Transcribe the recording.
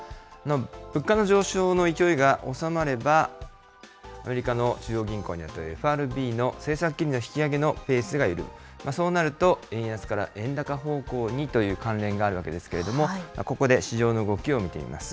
物価の上昇の勢いが収まれば、アメリカの中央銀行に当たるＦＲＢの政策金利引き上げのペースが緩む、そうなると、円安から円高方向にという関連があるわけですけれども、ここで市場の動きを見てみます。